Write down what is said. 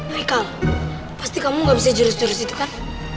raikal pasti kamu gak bisa jurus jurus itu kan